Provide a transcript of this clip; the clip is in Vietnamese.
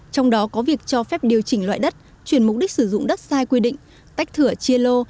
trong đó có việc cho phép điều chỉnh loại đất chuyển mục đích sử dụng đất sai quy định tách thửa chia lô